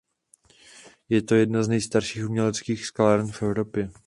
Je to jedna z nejstarších uměleckých skláren v Evropě.